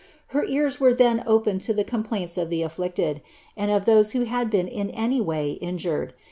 Her ears were then open to the complaints of the afflicted, and of those who had been in any way injured.